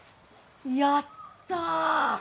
やった！